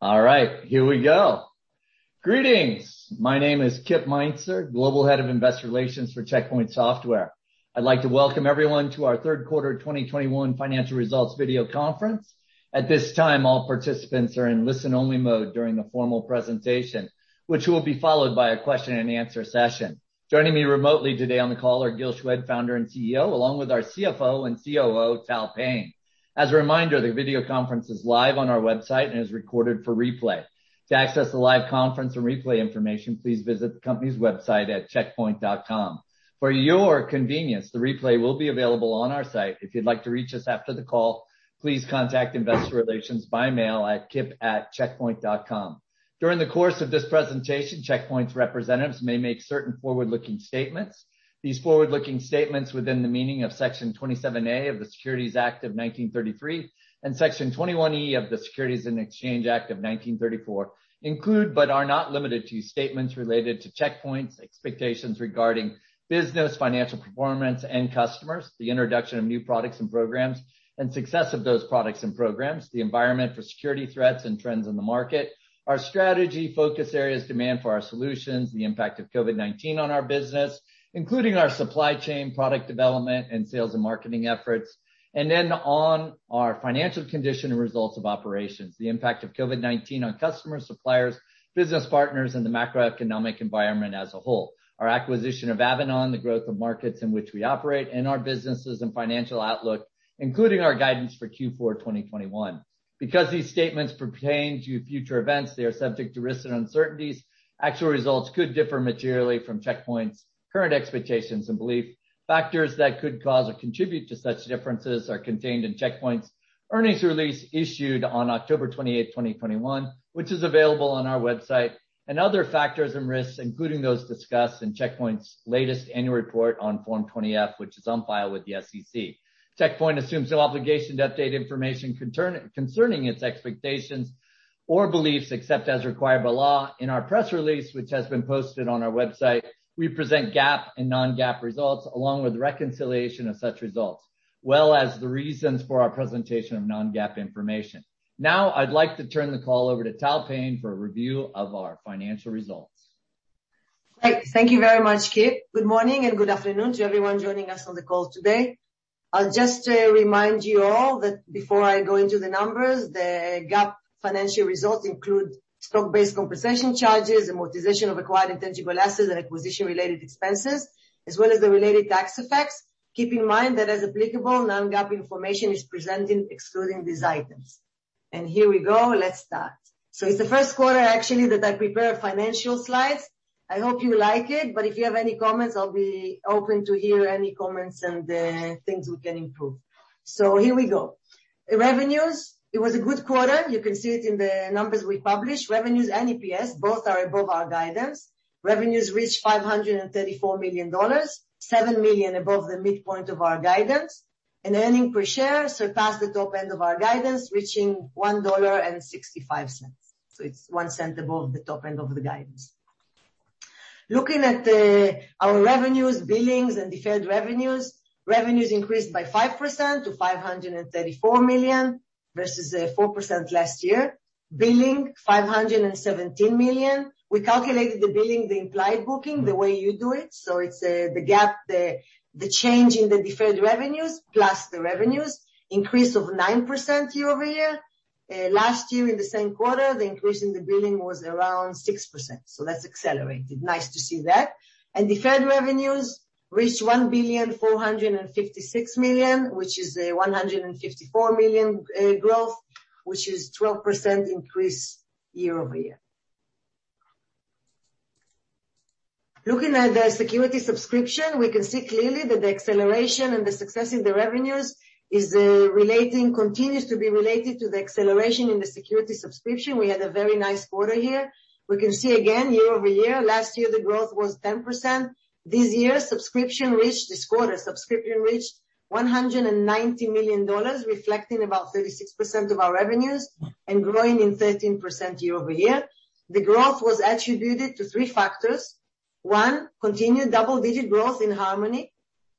All right, here we go. Greetings. My name is Kip Meintzer, Global Head of Investor Relations for Check Point Software. I'd like to welcome everyone to our third quarter of 2021 financial results video conference. At this time, all participants are in listen-only mode during the formal presentation, which will be followed by a question and answer session. Joining me remotely today on the call are Gil Shwed, Founder and CEO, along with our CFO and COO, Tal Payne. As a reminder, the video conference is live on our website and is recorded for replay. To access the live conference and replay information, please visit the company's website at checkpoint.com. For your convenience, the replay will be available on our site. If you'd like to reach us after the call, please contact investor relations by mail at kip@checkpoint.com. During the course of this presentation, Check Point's representatives may make certain forward-looking statements. These forward-looking statements within the meaning of Section 27A of the Securities Act of 1933 and Section 21E of the Securities Exchange Act of 1934 include, but are not limited to, statements related to Check Point's expectations regarding business, financial performance and customers, the introduction of new products and programs and success of those products and programs, the environment for security threats and trends in the market, our strategy, focus areas, demand for our solutions, the impact of COVID-19 on our business, including our supply chain, product development, and sales and marketing efforts, on our financial condition and results of operations, the impact of COVID-19 on customers, suppliers, business partners, and the macroeconomic environment as a whole. Our acquisition of Avanan on the growth of markets in which we operate and our businesses and financial outlook, including our guidance for Q4 2021. Because these statements pertain to future events, they are subject to risks and uncertainties. Actual results could differ materially from Check Point's current expectations and belief. Factors that could cause or contribute to such differences are contained in Check Point's earnings release issued on October 28, 2021, which is available on our website, and other factors and risks, including those discussed in Check Point's latest annual report on Form 20-F, which is on file with the SEC. Check Point assumes no obligation to update information concerning its expectations or beliefs, except as required by law. In our press release, which has been posted on our website, we present GAAP and non-GAAP results, along with reconciliation of such results, as well as the reasons for our presentation of non-GAAP information. Now, I'd like to turn the call over to Tal Payne for a review of our financial results. Thank you very much, Kip. Good morning and good afternoon to everyone joining us on the call today. I'll just remind you all that before I go into the numbers, the GAAP financial results include stock-based compensation charges, amortization of acquired intangible assets, and acquisition related expenses, as well as the related tax effects. Keep in mind that, as applicable, non-GAAP information is presented excluding these items. Here we go. Let's start. It's the first quarter, actually, that I prepare a financial slides. I hope you like it, but if you have any comments, I'll be open to hear any comments and things we can improve. Here we go. Revenues, it was a good quarter. You can see it in the numbers we published. Revenues and EPS, both are above our guidance. Revenues reached $534 million, $7 million above the midpoint of our guidance. Earnings per share surpassed the top end of our guidance, reaching $1.65. It's 1 cent above the top end of the guidance. Looking at our revenues, billings, and deferred revenues. Revenues increased by 5% to $534 million, versus 4% last year. Billings $517 million. We calculated the billings, the implied bookings the way you do it's the GAAP change in the deferred revenues plus the revenues. Increase of 9% year-over-year. Last year in the same quarter, the increase in the billings was around 6%. That's accelerated. Nice to see that. Deferred revenues reached $1.456 billion, which is a $154 million growth, which is 12% increase year-over-year. Looking at the security subscription, we can see clearly that the acceleration and the success in the revenues is relating continues to be related to the acceleration in the security subscription. We had a very nice quarter here. We can see again, year-over-year. Last year, the growth was 10%. This year, subscription reached—This quarter, subscription reached $190 million, reflecting about 36% of our revenues and growing in 13% year-over-year. The growth was attributed to three factors. One, continued double-digit growth in Harmony.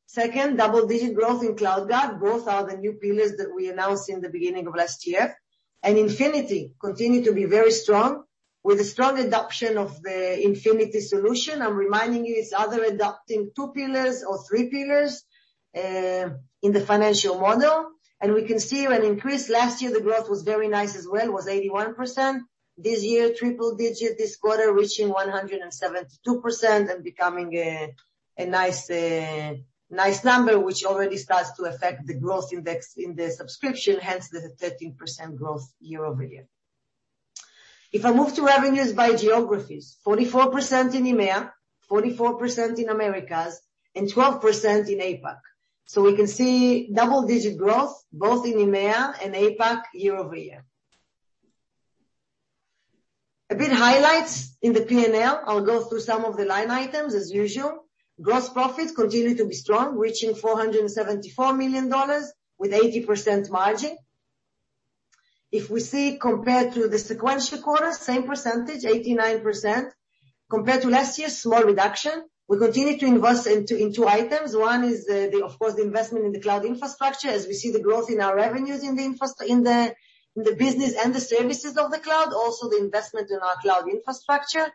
Second, double-digit growth in CloudGuard. Both are the new pillars that we announced in the beginning of last year. Infinity continued to be very strong with a strong adoption of the Infinity solution. I'm reminding you, it's worth adopting two pillars or three pillars in the financial model, and we can see an increase. Last year, the growth was very nice as well, it was 81%. This year, triple-digit this quarter, reaching 172% and becoming a nice number, which already starts to affect the growth index in the subscription, hence the 13% growth year-over-year. If I move to revenues by geographies, 44% in EMEA, 44% in Americas, and 12% in APAC. We can see double-digit growth both in EMEA and APAC year-over-year. A few highlights in the P&L. I'll go through some of the line items as usual. Gross profits continue to be strong, reaching $474 million with 80% margin. If we compare to the sequential quarter, same percentage, 89%. Compared to last year, small reduction. We continue to invest in two items. One is, of course, the investment in the cloud infrastructure. As we see the growth in our revenues in the business and the services of the cloud, also the investment in our cloud infrastructure.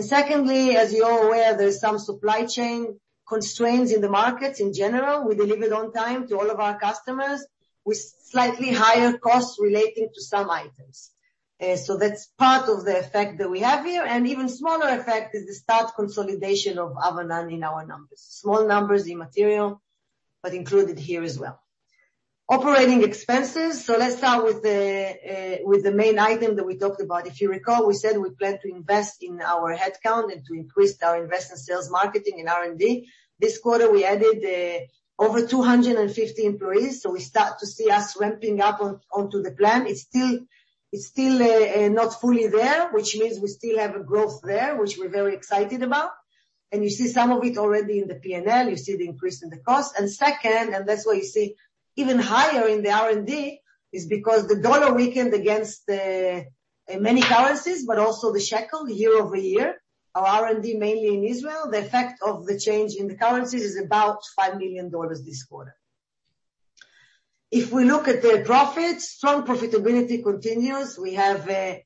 Secondly, as you're aware, there's some supply chain constraints in the markets in general. We deliver on time to all of our customers with slightly higher costs relating to some items. So that's part of the effect that we have here. Even smaller effect is the start consolidation of Avanan in our numbers. Small numbers, immaterial, but included here as well. Operating expenses. Let's start with the main item that we talked about. If you recall, we said we plan to invest in our headcount and to increase our investment sales marketing in R&D. This quarter, we added over 250 employees, so we start to see us ramping up onto the plan. It's still not fully there, which means we still have a growth there, which we're very excited about. You see some of it already in the P&L, you see the increase in the cost. Second, that's why you see even higher in the R&D, is because the dollar weakened against many currencies, but also the shekel year-over-year. Our R&D mainly in Israel. The effect of the change in the currencies is about $5 million this quarter. If we look at the profits, strong profitability continues. We have,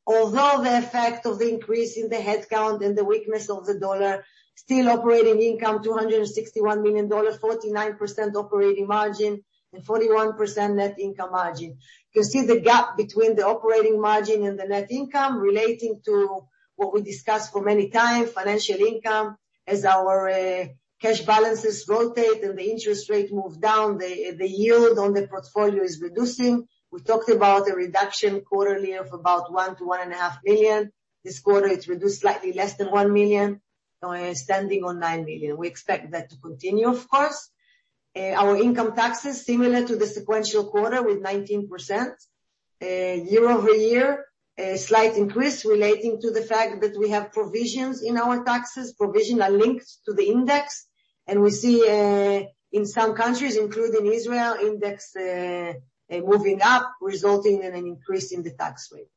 although the effect of the increase in the headcount and the weakness of the dollar, still operating income $261 million, 49% operating margin and 41% net income margin. You can see the gap between the operating margin and the net income relating to what we discussed for many times, financial income. As our, cash balances rotate and the interest rate moves down, the yield on the portfolio is reducing. We talked about a reduction quarterly of about $1 million-$1.5 million. This quarter, it's reduced slightly less than $1 million, standing on $9 million. We expect that to continue, of course. Our income tax is similar to the sequential quarter with 19%. Year-over-year, a slight increase relating to the fact that we have provisions in our taxes, provisions are linked to the index, and we see in some countries, including Israel, index moving up, resulting in an increase in the tax rate.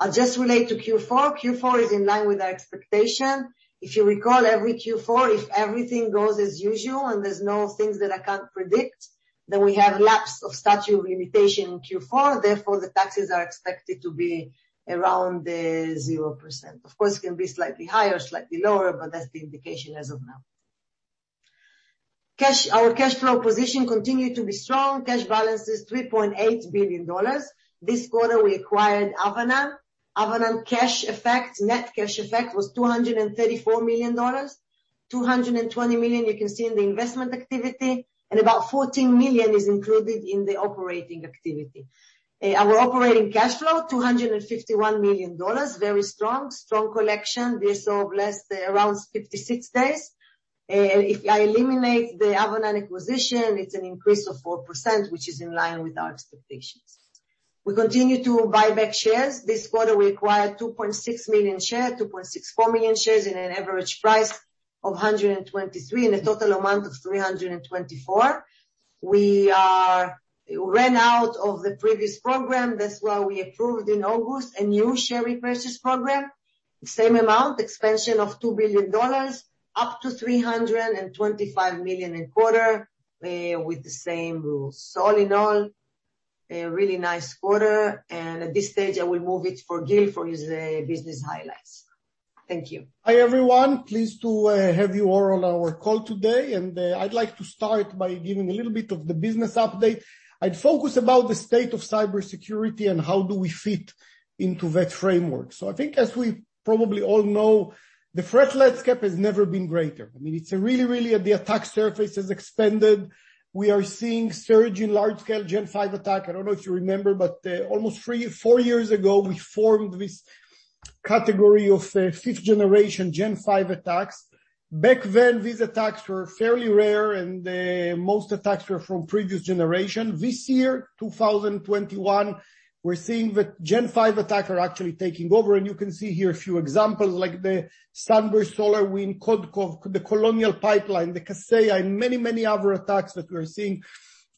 I'll just relate to Q4. Q4 is in line with our expectation. If you recall, every Q4, if everything goes as usual and there's no things that I can't predict, then we have lapse of statute of limitation in Q4, therefore, the taxes are expected to be around 0%. Of course, it can be slightly higher, slightly lower, but that's the indication as of now. Our cash flow position continued to be strong. Cash balance is $3.8 billion. This quarter, we acquired Avanan. Avanan cash effect, net cash effect was $234 million. $220 million you can see in the investment activity, and about $14 million is included in the operating activity. Our operating cash flow, $251 million. Very strong. Strong collection. DSO less, around 56 days. If I eliminate the Avanan acquisition, it's an increase of 4%, which is in line with our expectations. We continue to buy back shares. This quarter, we acquired 2.64 million shares in an average price of $123 in a total amount of $324. We ran out of the previous program. That's why we approved in August a new share repurchase program. The same amount, expansion of $2 billion, up to $325 million a quarter, with the same rules. All in all, a really nice quarter. At this stage, I will move it for Gil for his business highlights. Thank you. Hi, everyone. Pleased to have you all on our call today. I'd like to start by giving a little bit of the business update. I'd focus about the state of cybersecurity and how do we fit into that framework. I think as we probably all know, the threat landscape has never been greater. I mean, it's really. The attack surface has expanded. We are seeing surge in large-scale Gen V attack. I don't know if you remember, but almost three, four years ago, we formed this category of fifth generation Gen V attacks. Back then, these attacks were fairly rare, and most attacks were from previous generation. This year, 2021, we're seeing the Gen V attacker actually taking over, and you can see here a few examples like the Sunburst, SolarWinds, Codecov, the Colonial Pipeline, the Kaseya, and many, many other attacks that we're seeing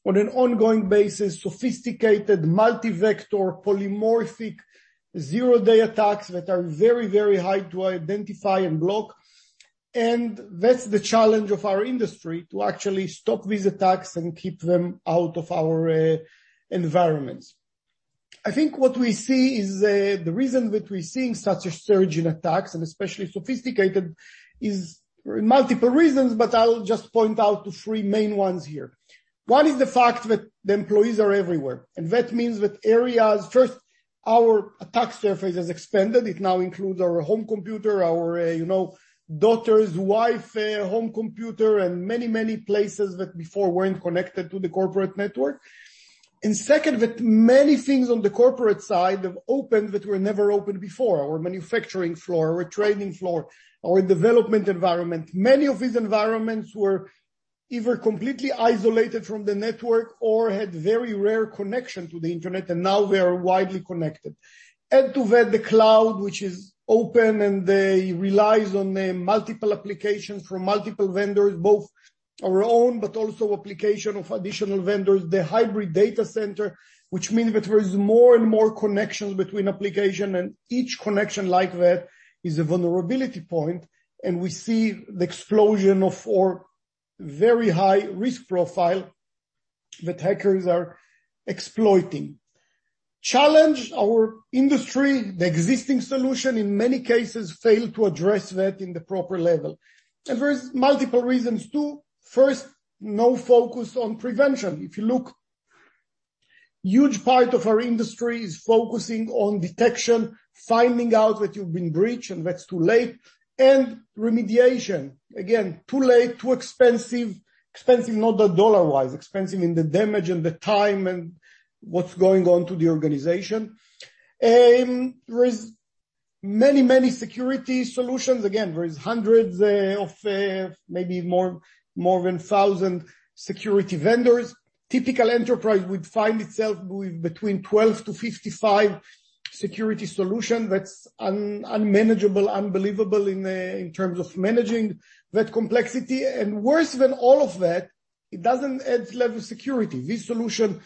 on an ongoing basis. Sophisticated, multi-vector, polymorphic, zero-day attacks that are very, very hard to identify and block. That's the challenge of our industry, to actually stop these attacks and keep them out of our environments. I think what we see is the reason that we're seeing such a surge in attacks, and especially sophisticated, is multiple reasons, but I'll just point out the three main ones here. One is the fact that the employees are everywhere, and that means that First, our attack surface has expanded. It now includes our home computer, our daughter's, wife's home computer, and many, many places that before weren't connected to the corporate network. Second, that many things on the corporate side have opened that were never opened before. Our manufacturing floor, our trading floor, our development environment. Many of these environments were either completely isolated from the network or had very rare connection to the Internet, and now they are widely connected. Add to that the cloud, which is open and relies on multiple applications from multiple vendors, both our own, but also applications of additional vendors. The hybrid data center, which means that there is more and more connections between applications and each connection like that is a vulnerability point. We see the explosion of all very high risk profiles that hackers are exploiting. Challenges our industry. The existing solutions in many cases fail to address that at the proper level. There are multiple reasons, too. First, no focus on prevention. If you look, a huge part of our industry is focusing on detection, finding out that you've been breached, and that's too late, and remediation. Again, too late, too expensive. Expensive, not the dollar-wise, expensive in the damage and the time and what's going on to the organization. There are many, many security solutions. Again, there are hundreds of, maybe more than a thousand security vendors. A typical enterprise would find itself with between 12-55 security solutions that's unmanageable, unbelievable in terms of managing that complexity. Worse than all of that, it doesn't add level security. These solutions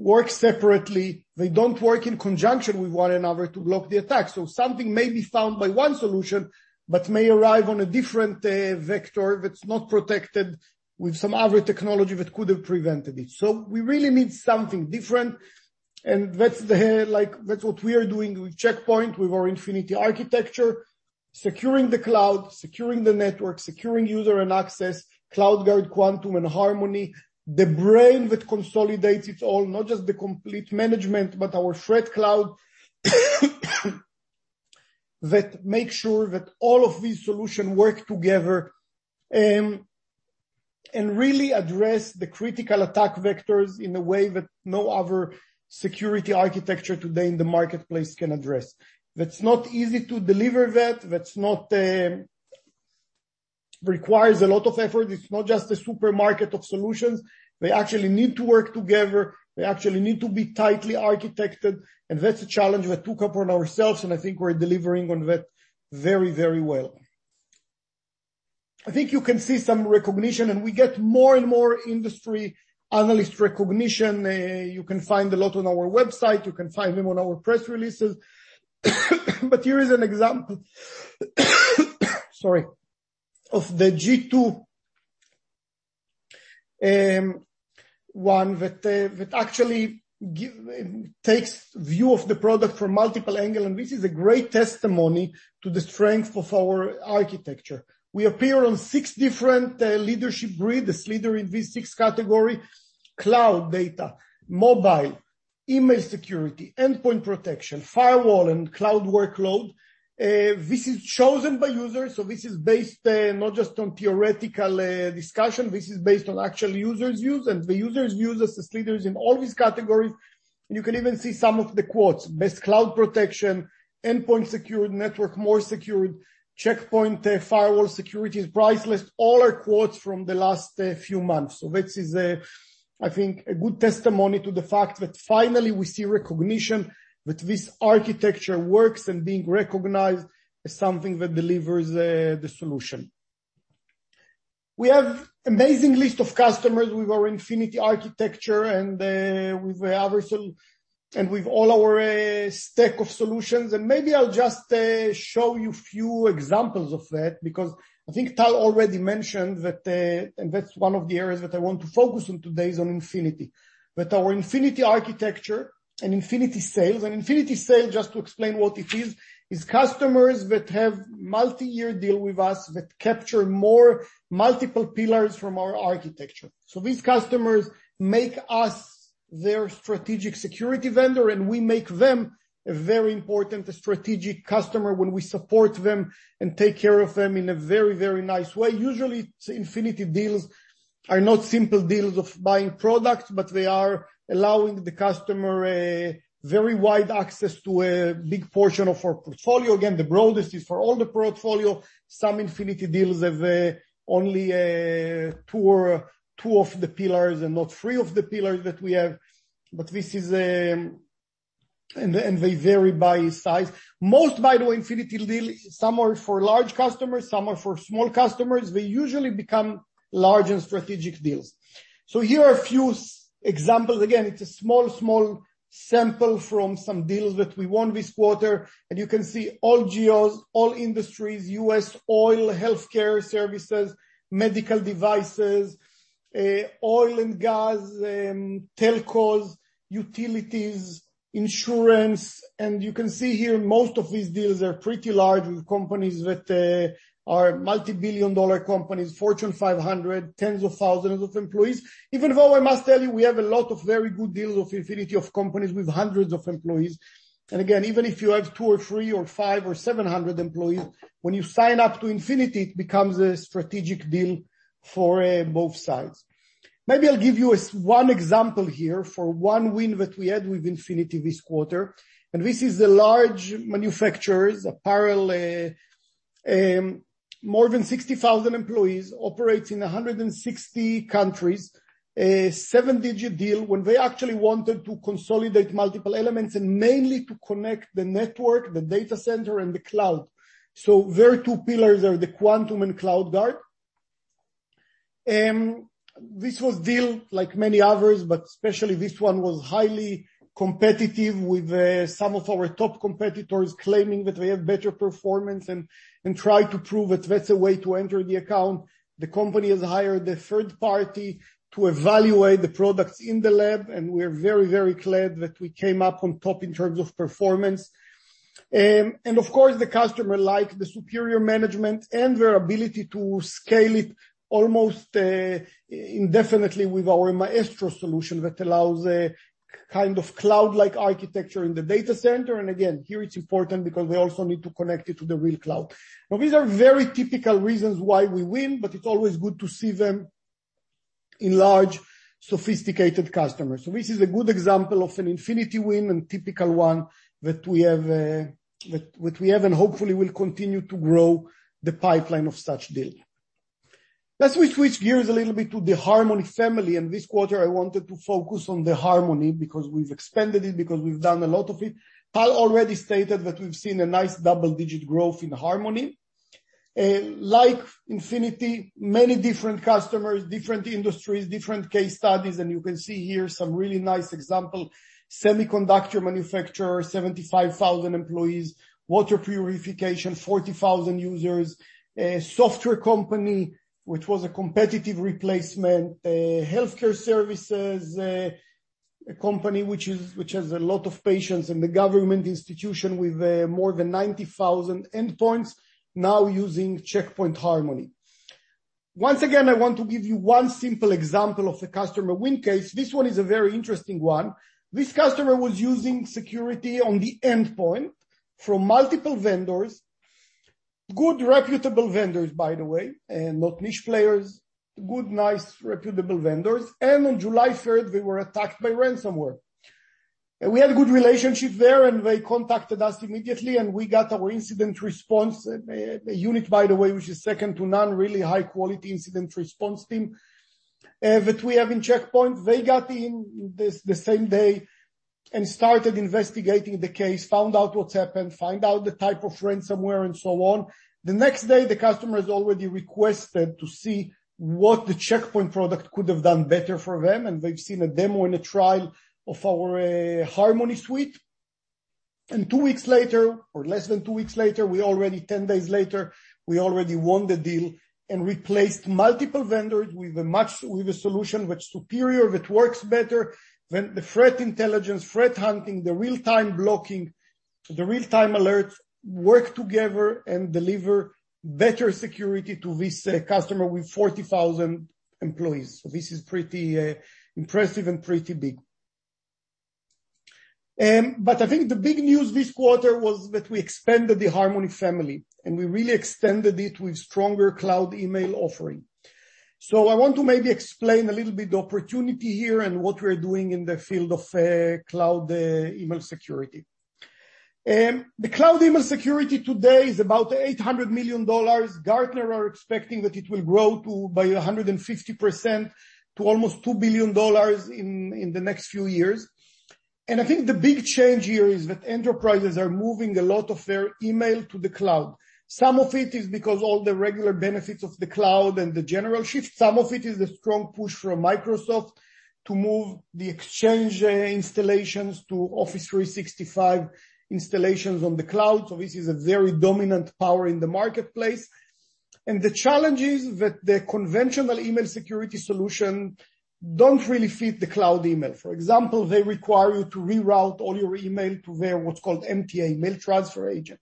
work separately. They don't work in conjunction with one another to block the attack. Something may be found by one solution, but may arrive on a different vector that's not protected with some other technology that could have prevented it. We really need something different, and that's the, like, that's what we are doing with Check Point, with our Infinity Architecture, securing the cloud, securing the network, securing user and access, CloudGuard, Quantum, and Harmony. The brain that consolidates it all, not just the complete management, but our ThreatCloud that makes sure that all of these solutions work together, and really address the critical attack vectors in a way that no other security architecture today in the marketplace can address. That's not easy to deliver that. That's not. Requires a lot of effort. It's not just a supermarket of solutions. They actually need to work together. They actually need to be tightly architected, and that's a challenge that took upon ourselves, and I think we're delivering on that very, very well. I think you can see some recognition, and we get more and more industry analyst recognition. You can find a lot on our website, you can find them on our press releases. Here is an example of the G2 one that actually takes view of the product from multiple angle, and this is a great testimony to the strength of our architecture. We appear on six different leadership grids, as leader in these six category: cloud data, mobile, email security, endpoint protection, firewall, and cloud workload. This is chosen by users, so this is based not just on theoretical discussion, this is based on actual users use. The users use us as leaders in all these categories. You can even see some of the quotes, "Best cloud protection, endpoint secured, network more secured. Check Point firewall security is priceless." All are quotes from the last few months. This is a, I think, a good testimony to the fact that finally we see recognition that this architecture works and being recognized as something that delivers the solution. We have amazing list of customers with our Infinity Architecture and with all our stack of solutions. Maybe I'll just show you few examples of that because I think Tal already mentioned that, and that's one of the areas that I want to focus on today is on Infinity. With our Infinity Architecture and Infinity sales. Infinity sale, just to explain what it is customers that have multi-year deal with us that capture more multiple pillars from our architecture. These customers make us their strategic security vendor, and we make them a very important strategic customer when we support them and take care of them in a very, very nice way. Usually, Infinity deals are not simple deals of buying products, but they are allowing the customer a very wide access to a big portion of our portfolio. Again, the broadest is for all the portfolio. Some Infinity deals have only two of the pillars and not three of the pillars that we have. This is, and they vary by size. Most, by the way, Infinity deal, some are for large customers, some are for small customers. They usually become large and strategic deals. Here are a few examples. Again, it's a small sample from some deals that we won this quarter. You can see all geos, all industries, U.S. oil, healthcare services, medical devices, oil and gas, telcos, utilities, insurance. You can see here most of these deals are pretty large with companies that are multi-billion-dollar companies, Fortune 500, tens of thousands of employees. Even though I must tell you, we have a lot of very good deals of Infinity of companies with hundreds of employees. Again, even if you have two or three or five or seven hundred employees, when you sign up to Infinity, it becomes a strategic deal for both sides. Maybe I'll give you one example here for one win that we had with Infinity this quarter, and this is the large manufacturers, apparel, more than 60,000 employees, operates in 160 countries. A seven-digit deal when they actually wanted to consolidate multiple elements and mainly to connect the network, the data center, and the cloud. Their two pillars are the Quantum and CloudGuard. This was a deal like many others, but especially this one was highly competitive with some of our top competitors claiming that they have better performance and try to prove it. That's a way to enter the account. The company has hired a third party to evaluate the products in the lab, and we're very, very glad that we came up on top in terms of performance. Of course, the customer liked the superior management and their ability to scale it almost indefinitely with our Maestro solution that allows a kind of cloud-like architecture in the data center. Again, here it's important because we also need to connect it to the real cloud. Now, these are very typical reasons why we win, but it's always good to see them in large, sophisticated customers. This is a good example of an Infinity win and typical one that we have, and hopefully will continue to grow the pipeline of such deal. Let's switch gears a little bit to the Harmony family. This quarter I wanted to focus on the Harmony because we've expanded it, because we've done a lot of it. Tal already stated that we've seen a nice double-digit growth in Harmony. Like Infinity, many different customers, different industries, different case studies, and you can see here some really nice example. Semiconductor manufacturer, 75,000 employees, water purification, 40,000 users, software company, which was a competitive replacement, healthcare services company, which has a lot of patients, and the government institution with more than 90,000 endpoints now using Check Point Harmony. Once again, I want to give you one simple example of a customer win case. This one is a very interesting one. This customer was using security on the endpoint from multiple vendors. Good reputable vendors, by the way, and not niche players. Good, nice reputable vendors. On July third, they were attacked by ransomware. We had a good relationship there, and they contacted us immediately, and we got our incident response unit, by the way, which is second to none, really high-quality incident response team that we have in Check Point. They got into this the same day and started investigating the case, found out what's happened, the type of ransomware and so on. The next day, the customers already requested to see what the Check Point product could have done better for them, and they've seen a demo and a trial of our Harmony Suite. Two weeks later, or less than two weeks later, ten days later, we won the deal and replaced multiple vendors with a solution which superior, which works better. When the threat intelligence, threat hunting, the real-time blocking, the real-time alerts work together and deliver better security to this customer with 40,000 employees. This is pretty impressive and pretty big. But I think the big news this quarter was that we expanded the Harmony family, and we really extended it with stronger cloud email offering. I want to maybe explain a little bit the opportunity here and what we're doing in the field of cloud email security. The cloud email security today is about $800 million. Gartner are expecting that it will grow to by 150% to almost $2 billion in the next few years. I think the big change here is that enterprises are moving a lot of their email to the cloud. Some of it is because all the regular benefits of the cloud and the general shift. Some of it is the strong push from Microsoft to move the Exchange installations to Office 365 installations on the cloud. This is a very dominant power in the marketplace. The challenge is that the conventional email security solution don't really fit the cloud email. For example, they require you to reroute all your email to their what's called MTA, mail transfer agent.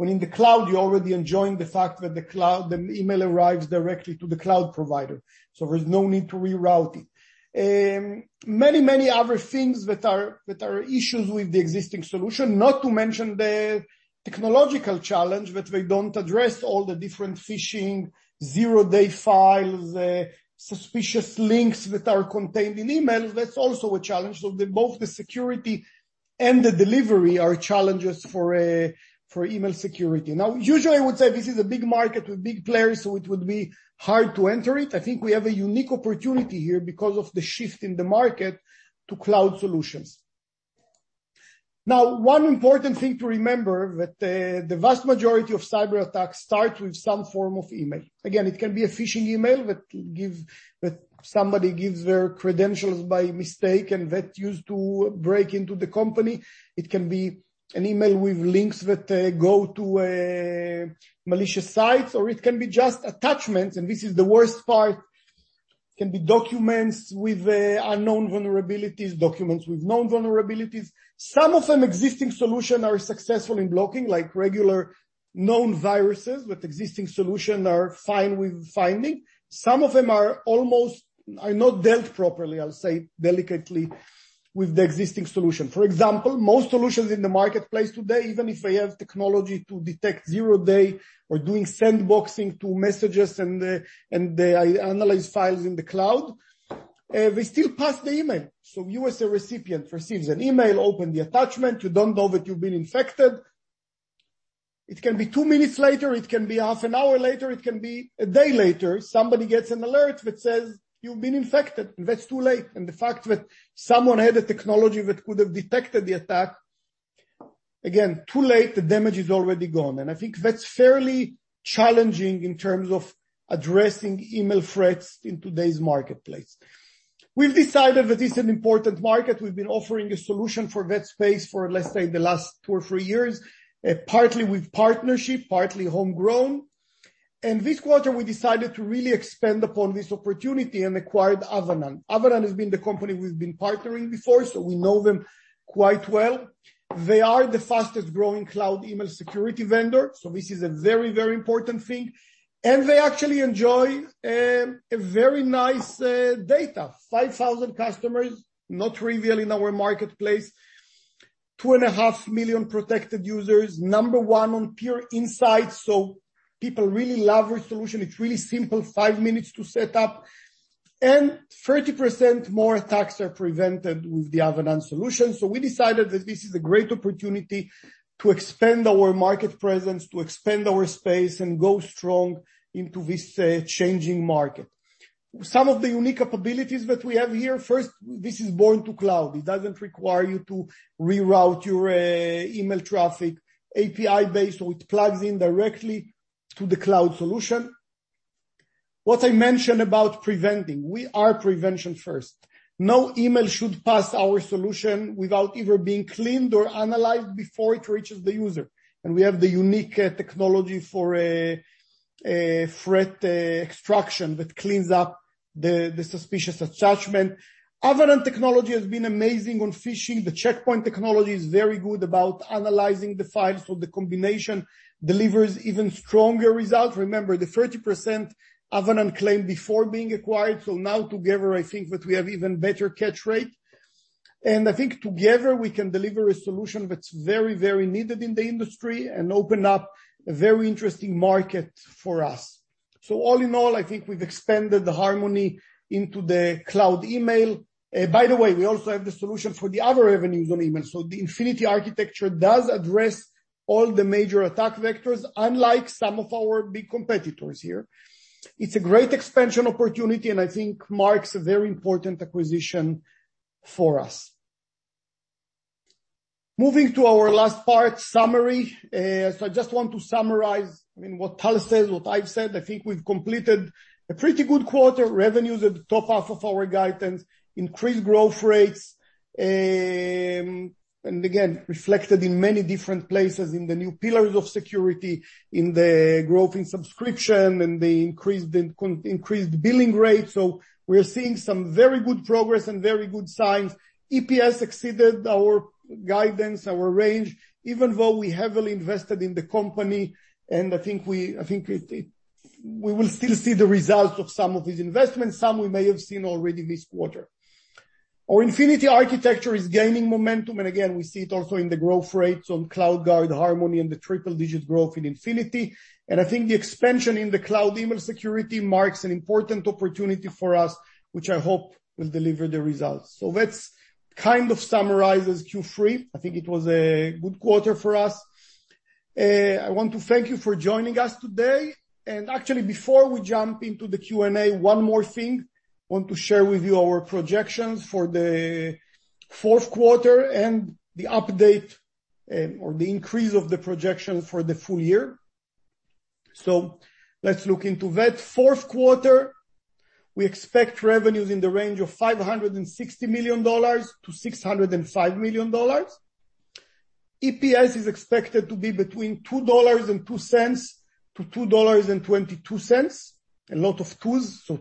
When in the cloud, you're already enjoying the fact that the cloud, the email arrives directly to the cloud provider, so there's no need to reroute it. Many, many other things that are issues with the existing solution, not to mention the technological challenge, that they don't address all the different phishing, zero-day files, suspicious links that are contained in emails. That's also a challenge. Both the security and the delivery are challenges for email security. Usually I would say this is a big market with big players, so it would be hard to enter it. I think we have a unique opportunity here because of the shift in the market to cloud solutions. One important thing to remember that the vast majority of cyber attacks start with some form of email. Again, it can be a phishing email that somebody gives their credentials by mistake and that's used to break into the company. It can be an email with links that go to a malicious sites, or it can be just attachments, and this is the worst part. It can be documents with unknown vulnerabilities, documents with known vulnerabilities. Some of the existing solutions are successful in blocking, like regular known viruses that existing solutions are fine with finding. Some of them are almost not dealt properly, I'll say delicately, with the existing solutions. For example, most solutions in the marketplace today, even if they have technology to detect zero-day or doing sandboxing to messages and they analyze files in the cloud, we still pass the email. So you as a recipient receive an email, open the attachment, you don't know that you've been infected. It can be two minutes later, it can be half an hour later, it can be a day later, somebody gets an alert that says, "You've been infected." That's too late. The fact that someone had a technology that could have detected the attack. Again, too late, the damage is already gone. I think that's fairly challenging in terms of addressing email threats in today's marketplace. We've decided that it's an important market. We've been offering a solution for that space for, let's say, the last two or three years, partly with partnership, partly homegrown. This quarter, we decided to really expand upon this opportunity and acquired Avanan. Avanan has been the company we've been partnering before, so we know them quite well. They are the fastest-growing cloud email security vendor, so this is a very, very important thing. They actually enjoy a very nice data. 5,000 customers, not trivial in our marketplace. 2.5 million protected users. Number one on Peer Insights. So people really love our solution. It's really simple, five minutes to set up. 30% more attacks are prevented with the Avanan solution. We decided that this is a great opportunity to expand our market presence, to expand our space and go strong into this changing market. Some of the unique capabilities that we have here. First, this is born to cloud. It doesn't require you to reroute your email traffic. API-based, so it plugs in directly to the cloud solution. What I mentioned about preventing, we are prevention first. No email should pass our solution without either being cleaned or analyzed before it reaches the user. We have the unique technology for a Threat Extraction that cleans up the suspicious attachment. Avanan technology has been amazing on phishing. The Check Point technology is very good about analyzing the files, so the combination delivers even stronger results. Remember, the 30% Avanan claimed before being acquired. Now together, I think that we have even better catch rate. I think together, we can deliver a solution that's very, very needed in the industry and open up a very interesting market for us. All in all, I think we've expanded the Harmony into the cloud email. By the way, we also have the solution for the other avenues on email. The Infinity architecture does address all the major attack vectors, unlike some of our big competitors here. It's a great expansion opportunity, and I think marks a very important acquisition for us. Moving to our last part, summary. I just want to summarize, I mean, what Tal said, what I've said. I think we've completed a pretty good quarter. Revenues at the top half of our guidance, increased growth rates. Again, reflected in many different places in the new pillars of security, in the growth in subscription and the increased billing rate. We're seeing some very good progress and very good signs. EPS exceeded our guidance, our range, even though we heavily invested in the company, and we will still see the results of some of these investments, some we may have seen already this quarter. Our Infinity architecture is gaining momentum, and again, we see it also in the growth rates on CloudGuard, Harmony, and the triple-digit growth in Infinity. I think the expansion in the cloud email security marks an important opportunity for us, which I hope will deliver the results. That's kind of summarizes Q3. I think it was a good quarter for us. I want to thank you for joining us today. Actually, before we jump into the Q&A, one more thing. I want to share with you our projections for the fourth quarter and the update or the increase of the projection for the full year. Let's look into that fourth quarter. We expect revenues in the range of $560 million-$605 million. EPS is expected to be between $2.02-$2.22. A lot of twos, so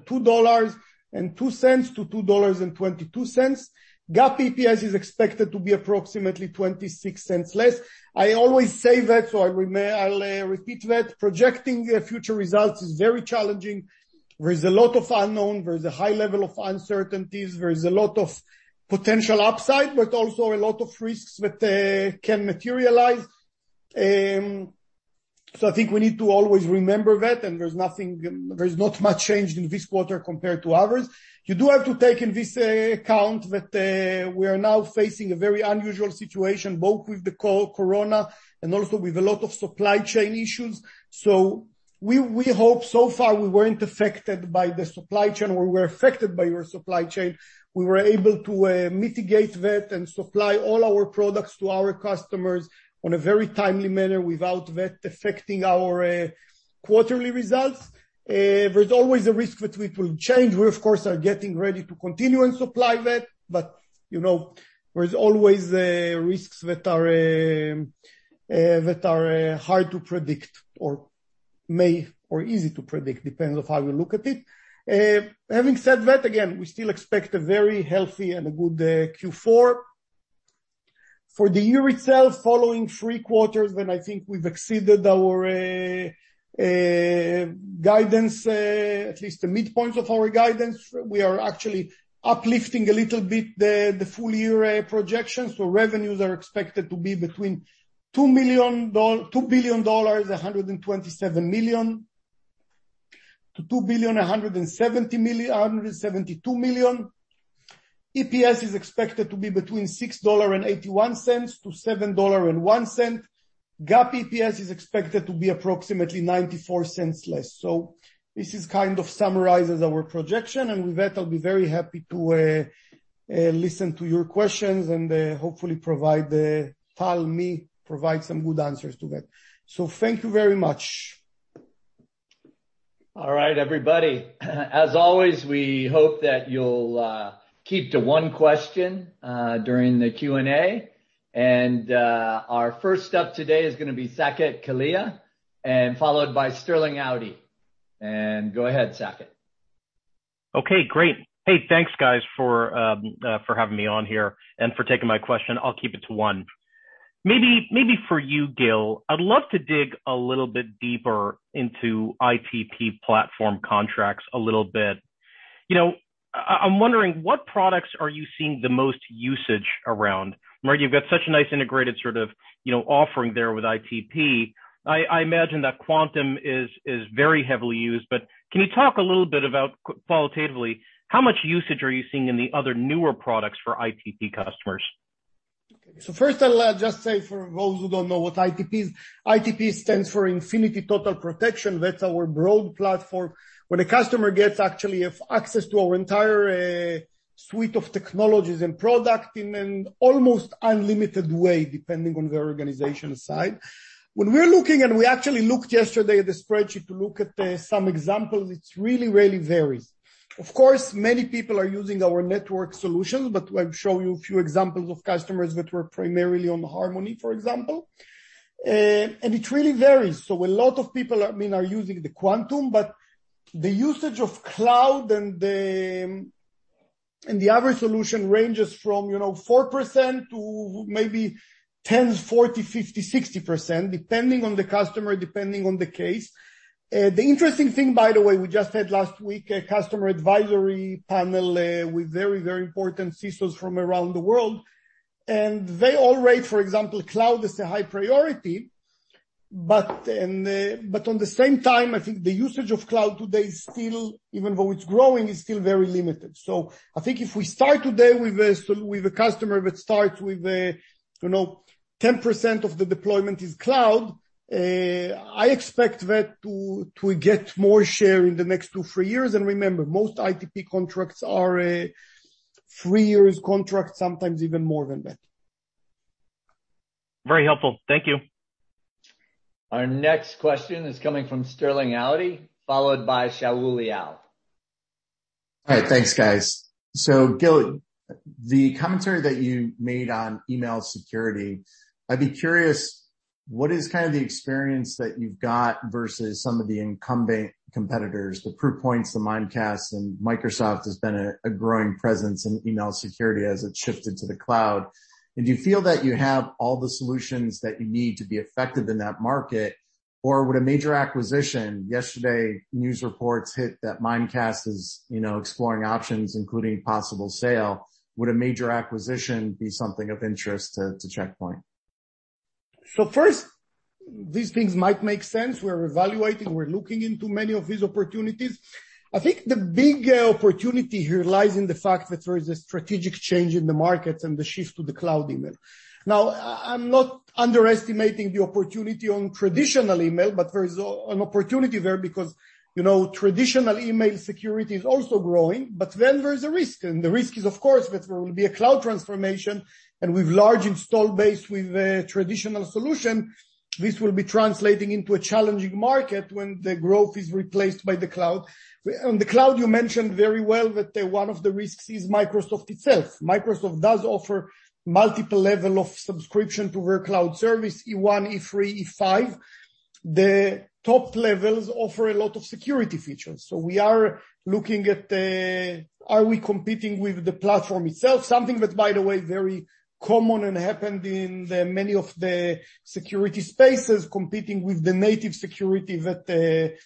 $2.02-$2.22. GAAP EPS is expected to be approximately $0.26 less. I always say that, so I may repeat that. Projecting future results is very challenging. There is a lot of unknown. There is a high level of uncertainties. There is a lot of potential upside, but also a lot of risks that can materialize. I think we need to always remember that, and there's nothing, there's not much change in this quarter compared to others. You do have to take into account that we are now facing a very unusual situation, both with the coronavirus and also with a lot of supply chain issues. We hope so far we weren't affected by the supply chain, or we're affected by our supply chain. We were able to mitigate that and supply all our products to our customers in a very timely manner without that affecting our quarterly results. There's always a risk that it will change. We, of course, are getting ready to continue and supply that, but, you know, there's always risks that are hard to predict or may be easy to predict, depends on how you look at it. Having said that, again, we still expect a very healthy and a good Q4. For the year itself, following three quarters, and I think we've exceeded our guidance, at least the midpoint of our guidance. We are actually uplifting a little bit the full year projections. Revenues are expected to be between $2.127 billion-$2.172 billion. EPS is expected to be between $6.81-$7.01. GAAP EPS is expected to be approximately $0.94 less. This kind of summarizes our projection, and with that, I'll be very happy to listen to your questions and hopefully provide some good answers to that. Thank you very much. All right, everybody. As always, we hope that you'll keep to one question during the Q&A. Our first up today is gonna be Saket Kalia, followed by Sterling Auty. Go ahead, Saket. Okay, great. Hey, thanks, guys, for having me on here and for taking my question. I'll keep it to one. Maybe for you, Gil, I'd love to dig a little bit deeper into ITP platform contracts a little bit. You know, I'm wondering what products are you seeing the most usage around? Right, you've got such a nice integrated sort of, you know, offering there with ITP. I imagine that Quantum is very heavily used. But can you talk a little bit about qualitatively, how much usage are you seeing in the other newer products for ITP customers? First, I'll just say for those who don't know what ITP is, ITP stands for Infinity Total Protection. That's our broad platform where the customer gets actually full access to our entire suite of technologies and product in an almost unlimited way, depending on the organization size. When we're looking, and we actually looked yesterday at the spreadsheet to look at some examples, it really varies. Of course, many people are using our network solution, but I'll show you a few examples of customers that were primarily on Harmony, for example. It really varies. A lot of people, I mean, are using the Quantum, but the usage of cloud and the average solution ranges from, you know, 4% to maybe 10, 40, 50, 60%, depending on the customer, depending on the case. The interesting thing, by the way, we just had last week a customer advisory panel with very important CISOs from around the world, and they all rate, for example, cloud as a high priority. But at the same time, I think the usage of cloud today is still, even though it's growing, very limited. I think if we start today with a customer that starts with, you know, 10% of the deployment is cloud, I expect that to get more share in the next two, three years. Remember, most ITP contracts are three-year contracts, sometimes even more than that. Very helpful. Thank you. Our next question is coming from Sterling Auty, followed by Shaul Eyal. All right. Thanks, guys. Gil, the commentary that you made on email security, I'd be curious, what is kind of the experience that you've got versus some of the incumbent competitors, the Proofpoint, the Mimecast, and Microsoft has been a growing presence in email security as it's shifted to the cloud. Do you feel that you have all the solutions that you need to be effective in that market? Would a major acquisition, yesterday news reports hit that Mimecast is, you know, exploring options, including possible sale. Would a major acquisition be something of interest to Check Point? First, these things might make sense. We're evaluating, we're looking into many of these opportunities. I think the big opportunity here lies in the fact that there is a strategic change in the markets and the shift to the cloud email. Now, I'm not underestimating the opportunity on traditional email, but there is an opportunity there because, you know, traditional email security is also growing, but then there is a risk. The risk is, of course, that there will be a cloud transformation, and with large install base, with a traditional solution, this will be translating into a challenging market when the growth is replaced by the cloud. On the cloud, you mentioned very well that, one of the risks is Microsoft itself. Microsoft does offer multiple level of subscription to their cloud service, E1, E3, E5. The top levels offer a lot of security features. We are looking at are we competing with the platform itself, something that, by the way, very common and happened in many of the security spaces, competing with the native security that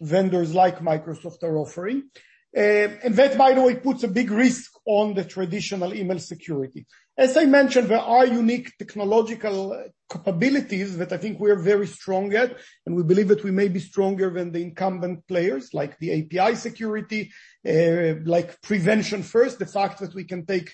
vendors like Microsoft are offering. That, by the way, puts a big risk on the traditional email security. As I mentioned, there are unique technological capabilities that I think we are very strong at, and we believe that we may be stronger than the incumbent players, like the API security, like prevention first, the fact that we can take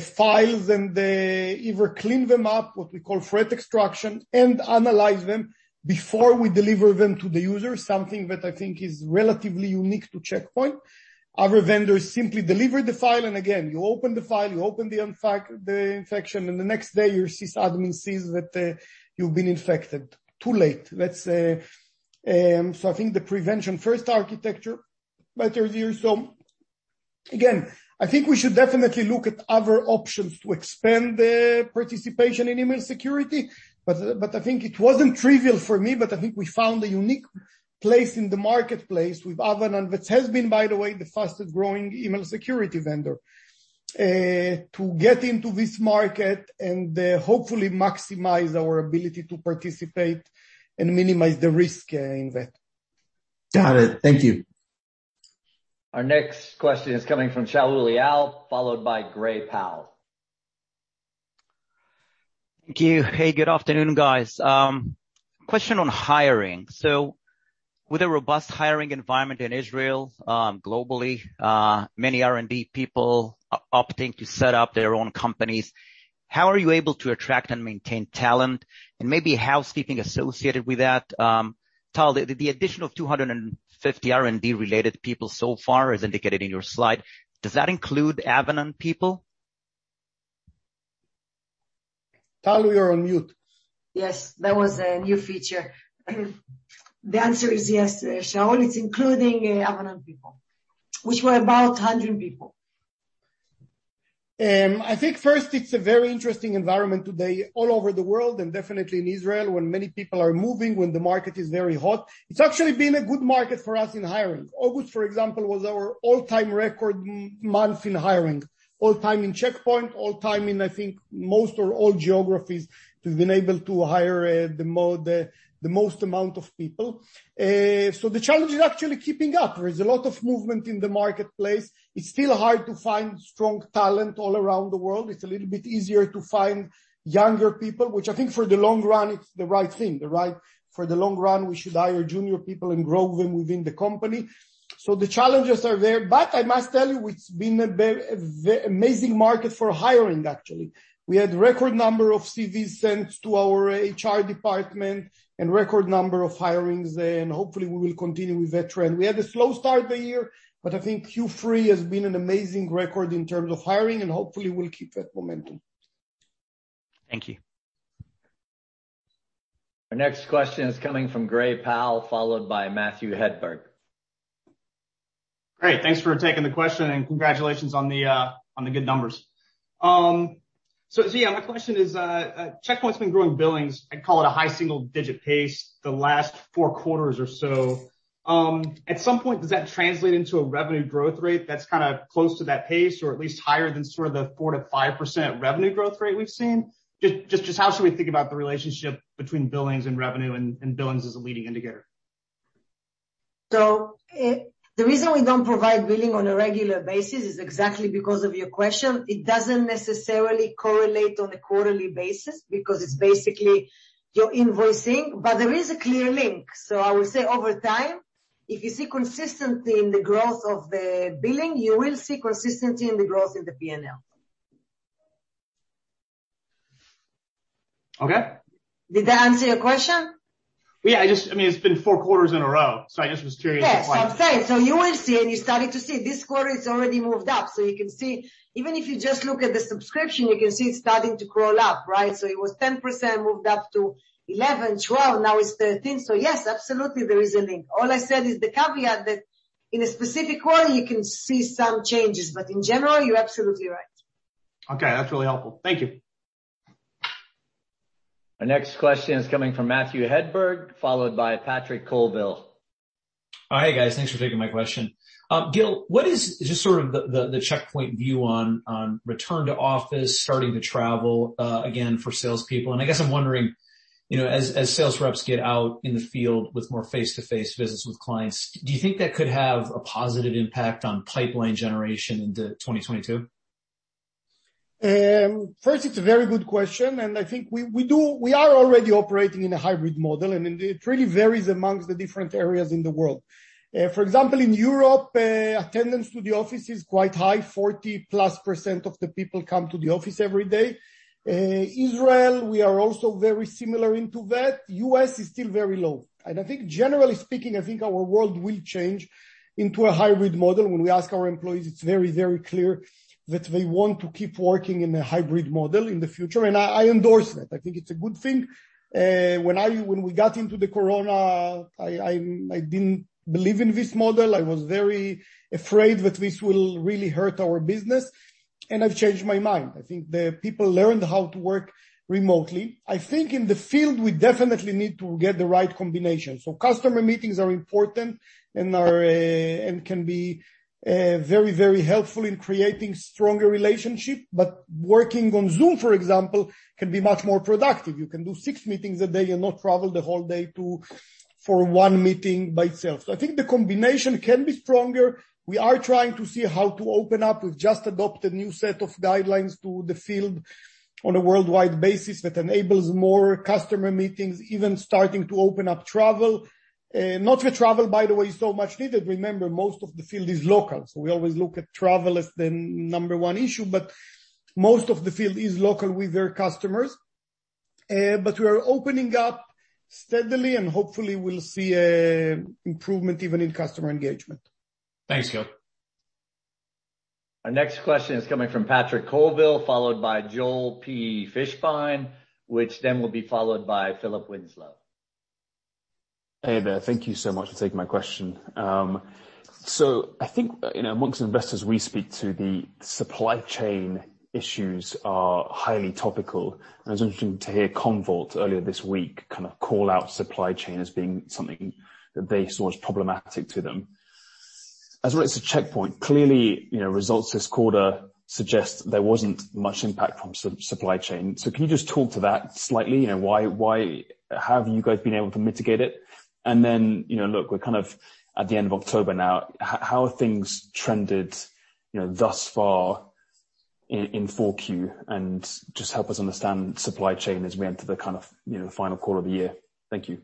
files and either clean them up, what we call Threat Extraction, and analyze them before we deliver them to the user, something that I think is relatively unique to Check Point. Other vendors simply deliver the file, and again, you open the file, you open the infection, and the next day your CISO admin sees that you've been infected. Too late, let's say. I think the prevention first architecture matters here. Again, I think we should definitely look at other options to expand the participation in email security, but I think it wasn't trivial for me, but I think we found a unique place in the marketplace with Avanan, which has been, by the way, the fastest-growing email security vendor to get into this market and hopefully maximize our ability to participate and minimize the risk in that. Got it. Thank you. Our next question is coming from Shaul Eyal, followed by Gray Powell. Thank you. Hey, good afternoon, guys. Question on hiring. With a robust hiring environment in Israel, globally, many R&D people opting to set up their own companies, how are you able to attract and maintain talent? Maybe housekeeping associated with that. Tal, the addition of 250 R&D related people so far is indicated in your slide. Does that include Avanan people? Tal, you're on mute. Yes. That was a new feature. The answer is yes, Shaul, it's including Avanan people, which were about 100 people. I think first it's a very interesting environment today all over the world, and definitely in Israel, when many people are moving, when the market is very hot. It's actually been a good market for us in hiring. August, for example, was our all-time record month in hiring. All time in Check Point, I think most or all geographies. We've been able to hire the most amount of people. The challenge is actually keeping up. There is a lot of movement in the marketplace. It's still hard to find strong talent all around the world. It's a little bit easier to find younger people, which I think for the long run, it's the right thing. For the long run, we should hire junior people and grow them within the company. The challenges are there. I must tell you, it's been a very amazing market for hiring, actually. We had record number of CVs sent to our HR department and record number of hirings, and hopefully we will continue with that trend. We had a slow start the year, but I think Q3 has been an amazing record in terms of hiring, and hopefully we'll keep that momentum. Thank you. Our next question is coming from Gray Powell, followed by Matthew Hedberg. Great. Thanks for taking the question, and congratulations on the good numbers. So Gil Shwed, my question is, Check Point's been growing billings, I'd call it a high single digit pace the last four quarters or so. At some point, does that translate into a revenue growth rate that's kinda close to that pace or at least higher than sort of the 4%-5% revenue growth rate we've seen? Just how should we think about the relationship between billings and revenue, and billings as a leading indicator? The reason we don't provide billing on a regular basis is exactly because of your question. It doesn't necessarily correlate on a quarterly basis because it's basically your invoicing, but there is a clear link. I would say over time, if you see consistency in the growth of the billing, you will see consistency in the growth in the P&L. Okay. Did that answer your question? Yeah. I mean, it's been four quarters in a row, so I just was curious at this point. Yes. I'm saying. You will see, and you're starting to see, this quarter it's already moved up. You can see, even if you just look at the subscription, you can see it's starting to crawl up, right? It was 10%, moved up to 11, 12, now it's 13. Yes, absolutely there is a link. All I said is the caveat that in a specific quarter you can see some changes, but in general, you're absolutely right. Okay. That's really helpful. Thank you. Our next question is coming from Matthew Hedberg, followed by Patrick Colville. Oh, hey guys. Thanks for taking my question. Gil, what is just sort of the Check Point view on return to office, starting to travel again for salespeople? I guess I'm wondering, you know, as sales reps get out in the field with more face-to-face visits with clients, do you think that could have a positive impact on pipeline generation into 2022? First, it's a very good question, and I think we are already operating in a hybrid model, and it really varies among the different areas in the world. For example, in Europe, attendance to the office is quite high, 40%+ of the people come to the office every day. Israel, we are also very similar to that. U.S. is still very low. I think generally speaking, I think our world will change into a hybrid model. When we ask our employees, it's very, very clear that they want to keep working in a hybrid model in the future. I endorse that. I think it's a good thing. When we got into the corona, I didn't believe in this model. I was very afraid that this will really hurt our business, and I've changed my mind. I think the people learned how to work remotely. I think in the field, we definitely need to get the right combination. Customer meetings are important and can be very, very helpful in creating stronger relationship. Working on Zoom, for example, can be much more productive. You can do six meetings a day and not travel the whole day for one meeting by itself. I think the combination can be stronger. We are trying to see how to open up. We've just adopted a new set of guidelines to the field on a worldwide basis that enables more customer meetings, even starting to open up travel. Not that travel, by the way, is so much needed. Remember, most of the field is local, so we always look at travel as the number one issue. Most of the field is local with their customers. We are opening up steadily, and hopefully we'll see an improvement even in customer engagement. Thanks, Gil. Our next question is coming from Patrick Colville, followed by Joel P. Fishbein, which then will be followed by Philip Winslow. Hey there. Thank you so much for taking my question. I think, you know, among investors we speak to, the supply chain issues are highly topical. It was interesting to hear Fortinet earlier this week kind of call out supply chain as being something that they saw as problematic to them. As well as to Check Point, clearly, you know, results this quarter suggest there wasn't much impact from supply chain. Can you just talk to that slightly? You know, why have you guys been able to mitigate it? Then, you know, look, we're kind of at the end of October now. How have things trended, you know, thus far? In Q4, and just help us understand supply chain as we enter the kind of, you know, final quarter of the year. Thank you.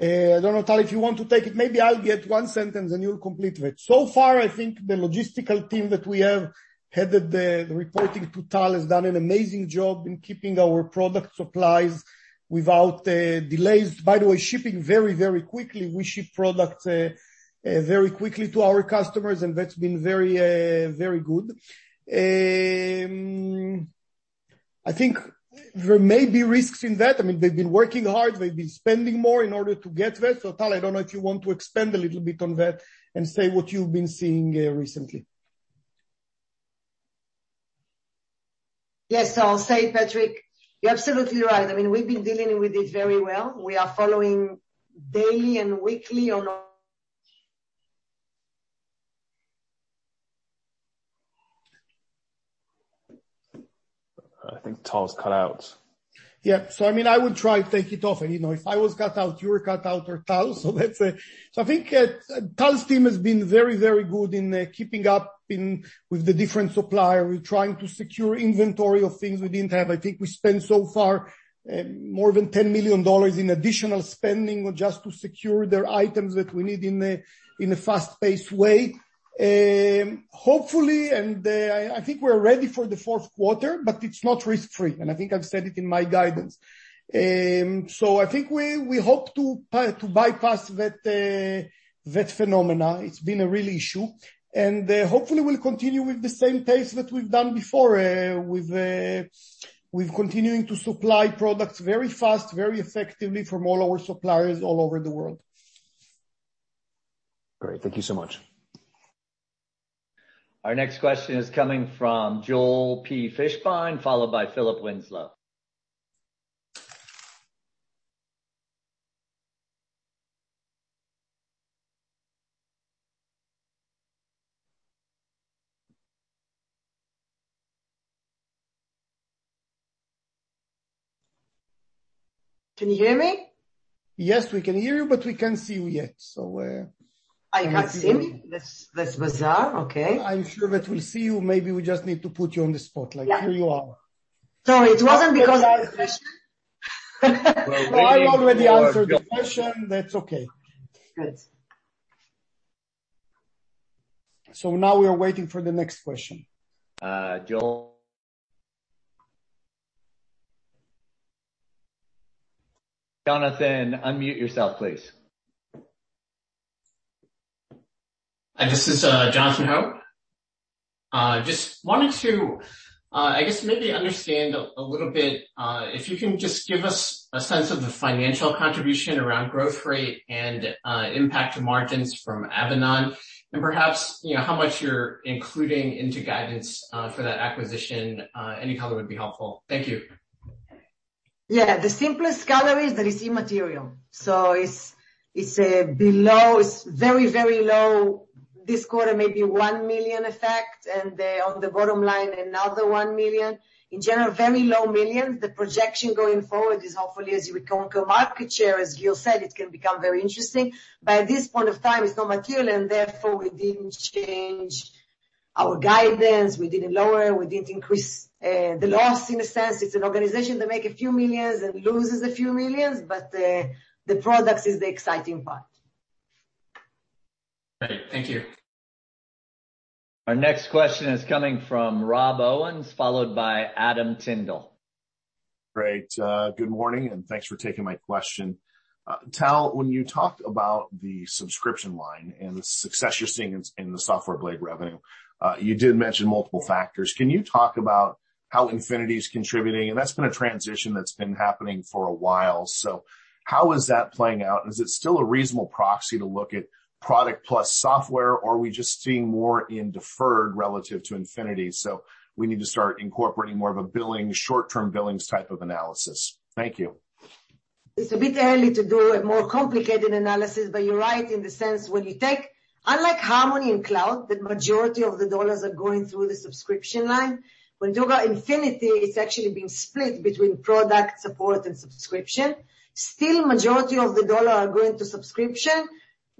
I don't know, Tal, if you want to take it. Maybe I'll get one sentence, and you'll complete it. So far, I think the logistical team that we have headed the reporting to Tal has done an amazing job in keeping our product supplies without delays. By the way, shipping very, very quickly. We ship products very quickly to our customers, and that's been very good. I think there may be risks in that. I mean, they've been working hard. They've been spending more in order to get there. Tal, I don't know if you want to expand a little bit on that and say what you've been seeing recently. Yes. I'll say, Patrick, you're absolutely right. I mean, we've been dealing with it very well. We are following daily and weekly on all. I think Tal's cut out. I mean, I will try to take it off. You know, if I was cut out, you were cut out or Tal, so that's it. I think Tal's team has been very, very good in keeping up with the different supplier. We're trying to secure inventory of things we didn't have. I think we spent so far more than $10 million in additional spending just to secure their items that we need in a fast-paced way. Hopefully, I think we're ready for the fourth quarter, but it's not risk-free. I think I've said it in my guidance. I think we hope to bypass that phenomena. It's been a real issue. Hopefully we'll continue with the same pace that we've done before, with continuing to supply products very fast, very effectively from all our suppliers all over the world. Great. Thank you so much. Our next question is coming from Joel P. Fishbein, followed by Philip Winslow. Can you hear me? Yes, we can hear you, but we can't see you yet. You can't see me? That's bizarre. Okay. I'm sure that we see you. Maybe we just need to put you on the spot. Yeah. Like, here you are. Sorry. It wasn't because I was fishing. No, I already answered the question. That's okay. Good. Now we are waiting for the next question. Joel. Jonathan, unmute yourself, please. This is Jonathan Ho. Just wanted to, I guess maybe understand a little bit, if you can just give us a sense of the financial contribution around growth rate and impact to margins from Avanan. Perhaps, you know, how much you're including into guidance for that acquisition. Any color would be helpful. Thank you. Yeah. The simplest color is that it's immaterial. It's below. It's very, very low. This quarter may be $1 million effect, and then on the bottom line, another $1 million. In general, very low millions. The projection going forward is hopefully, as we conquer market share, as Gil said, it can become very interesting. At this point of time, it's not material, and therefore we didn't change our guidance. We didn't lower, we didn't increase the loss in a sense. It's an organization that make a few millions and loses a few millions, but the products is the exciting part. Great. Thank you. Our next question is coming from Rob Owens, followed by Adam Tindle. Great. Good morning, and thanks for taking my question. Tal, when you talked about the subscription line and the success you're seeing in the Software Blade revenue, you did mention multiple factors. Can you talk about how Infinity is contributing? That's been a transition that's been happening for a while. How is that playing out? Is it still a reasonable proxy to look at product plus software, or are we just seeing more in deferred relative to Infinity? We need to start incorporating more of a billing, short-term billings type of analysis. Thank you. It's a bit early to do a more complicated analysis, but you're right in the sense when you take, unlike Harmony and Cloud, the majority of the dollars are going through the subscription line. With our Infinity, it's actually being split between product support and subscription. Still, majority of the dollar are going to subscription.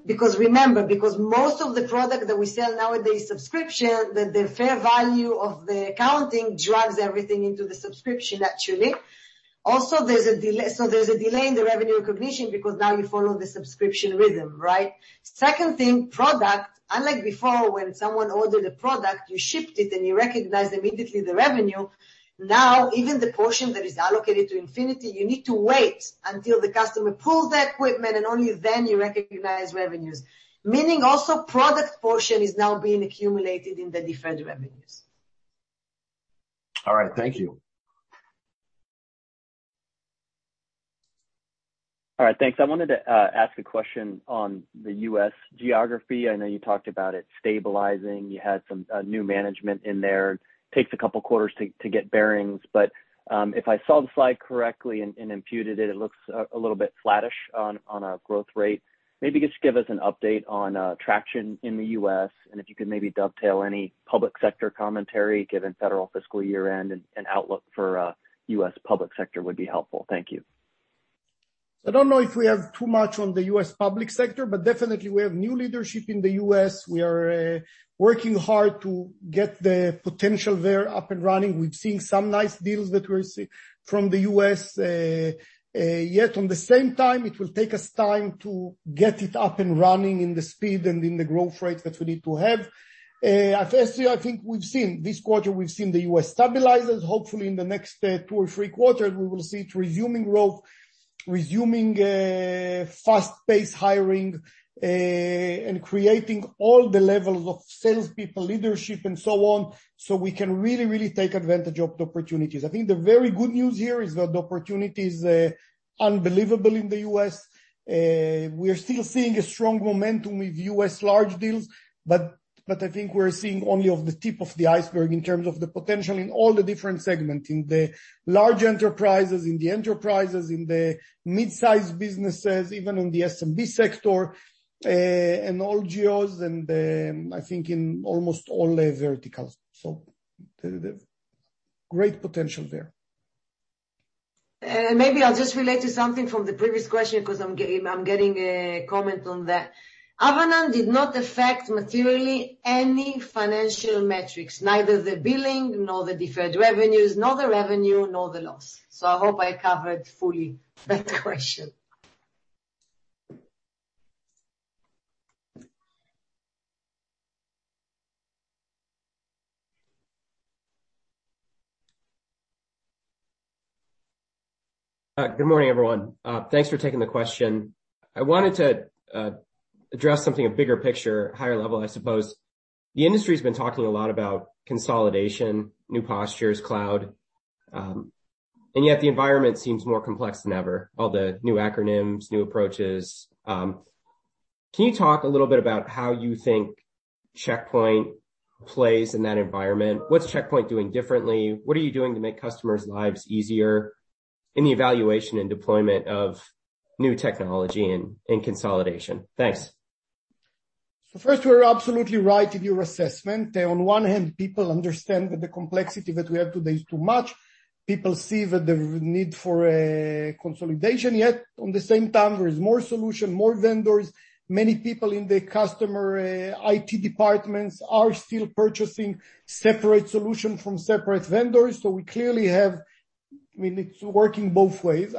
Because remember, because most of the product that we sell nowadays is subscription, the fair value of the accounting drives everything into the subscription, actually. Also, there's a delay in the revenue recognition because now you follow the subscription rhythm, right? Second thing, product, unlike before, when someone ordered a product, you shipped it, and you recognized immediately the revenue. Now, even the portion that is allocated to Infinity, you need to wait until the customer pulls the equipment, and only then you recognize revenues. Meaning also product portion is now being accumulated in the deferred revenues. All right. Thank you. All right. Thanks. I wanted to ask a question on the U.S. geography. I know you talked about it stabilizing. You had some new management in there. Takes a couple quarters to get bearings. If I saw the slide correctly and imputed it looks a little bit flattish on a growth rate. Maybe just give us an update on traction in the U.S., and if you could maybe dovetail any public sector commentary, given federal fiscal year-end and outlook for U.S. public sector would be helpful. Thank you. I don't know if we have too much on the U.S. public sector, but definitely we have new leadership in the U.S. We are working hard to get the potential there up and running. We've seen some nice deals that we're seeing from the U.S. Yet at the same time, it will take us time to get it up and running in the speed and in the growth rates that we need to have. First, I think we've seen this quarter the U.S. stabilization. Hopefully, in the next two or three quarters, we will see it resuming growth, resuming fast-paced hiring, and creating all the levels of salespeople, leadership, and so on, so we can really take advantage of the opportunities. I think the very good news here is that the opportunity is unbelievable in the U.S. We are still seeing a strong momentum with U.S. large deals, but I think we're seeing only the tip of the iceberg in terms of the potential in all the different segments, in the large enterprises, in the enterprises, in the mid-sized businesses, even in the SMB sector, in all geos and I think in almost all the verticals. The great potential there. Maybe I'll just relate to something from the previous question 'cause I'm getting a comment on that. Avanan did not affect materially any financial metrics, neither the billing, nor the deferred revenues, nor the revenue, nor the loss. I hope I covered fully that question. Good morning, everyone. Thanks for taking the question. I wanted to address something at a bigger picture, higher level, I suppose. The industry's been talking a lot about consolidation, new postures, cloud, and yet the environment seems more complex than ever, all the new acronyms, new approaches. Can you talk a little bit about how you think Check Point plays in that environment? What's Check Point doing differently? What are you doing to make customers' lives easier in the evaluation and deployment of new technology and consolidation? Thanks. First, you are absolutely right in your assessment. On one hand, people understand that the complexity that we have today is too much. People see that the need for a consolidation, yet at the same time, there is more solutions, more vendors. Many people in the customers', IT departments are still purchasing separate solutions from separate vendors. We clearly have. I mean, it's working both ways.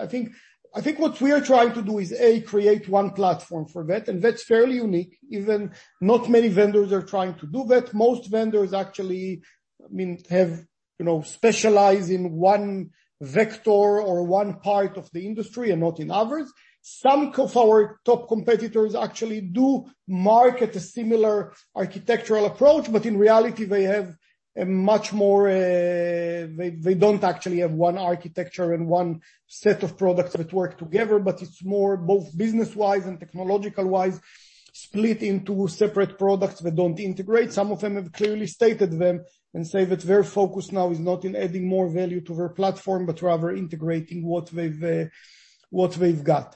I think what we are trying to do is, a, create one platform for that, and that's fairly unique. Even not many vendors are trying to do that. Most vendors actually, I mean, have, you know, specialize in one vector or one part of the industry and not in others. Some of our top competitors actually do market a similar architectural approach, but in reality, they have a much more, They don't actually have one architecture and one set of products that work together, but it's more both business-wise and technological-wise split into separate products that don't integrate. Some of them have clearly stated them and say that their focus now is not in adding more value to their platform, but rather integrating what they've got.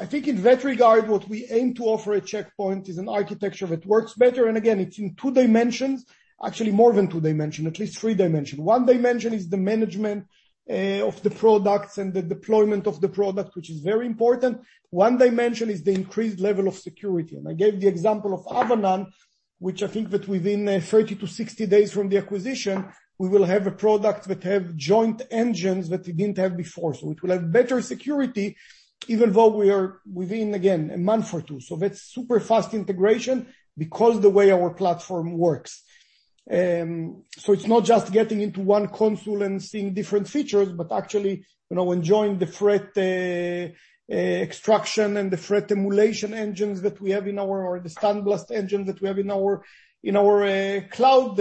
I think in that regard, what we aim to offer at Check Point is an architecture that works better. Again, it's in two dimensions. Actually, more than two dimension, at least three dimension. One dimension is the management of the products and the deployment of the product, which is very important. One dimension is the increased level of security. I gave the example of Avanan, which I think that within 30-60 days from the acquisition, we will have a product that have joint engines that we didn't have before. It will have better security even though we are within, again, a month or two. That's super fast integration because the way our platform works. It's not just getting into one console and seeing different features, but actually, you know, enjoying the Threat Extraction and the Threat Emulation engines that we have, or the SandBlast engine that we have in our cloud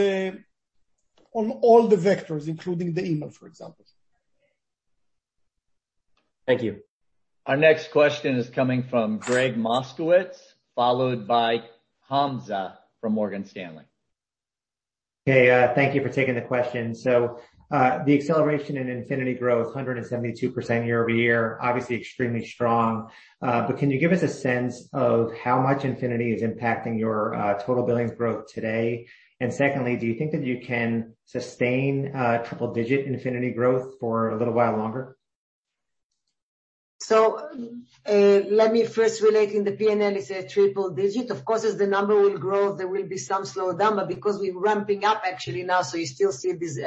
on all the vectors, including the email, for example. Thank you. Our next question is coming from Gregg Moskowitz, followed by Hamza Fodderwala from Morgan Stanley. Hey, thank you for taking the question. The acceleration in Infinity growth, 172% year-over-year, obviously extremely strong. Can you give us a sense of how much Infinity is impacting your total billings growth today? Secondly, do you think that you can sustain triple-digit Infinity growth for a little while longer? Let me first relate in the P&L is a triple-digit. Of course, as the number will grow, there will be some slowdown, but because we're ramping up actually now, you still see this